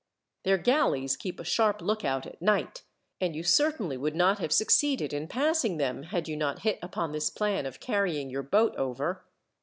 Their galleys keep a sharp lookout at night, and you certainly would not have succeeded in passing them, had you not hit upon this plan of carrying your boat over.